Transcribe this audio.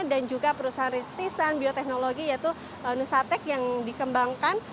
dan juga perusahaan ristisan bioteknologi yaitu nusatec yang dikembangkan